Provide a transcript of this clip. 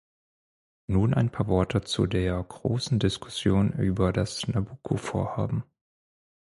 Nun ein paar Worte zu der großen Diskussion über das Nabucco-Vorhaben.